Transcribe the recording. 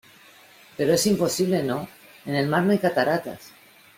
pero es imposible, ¿ no? en el mar no hay cataratas.